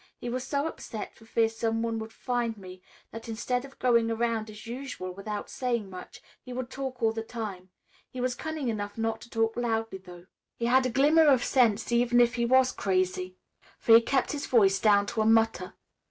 He was so upset for fear someone would find me that instead of going around as usual without saying much, he would talk all the time. He was cunning enough not to talk loudly, though. He had a glimmer of sense even if he was crazy, for he kept his voice down to a mutter.